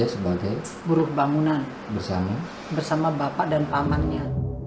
sebagai buruh bangunan bersama bapak dan pamannya